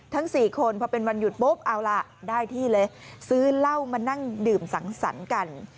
๔คนพอเป็นวันหยุดปุ๊บเอาล่ะได้ที่เลยซื้อเหล้ามานั่งดื่มสังสรรค์กัน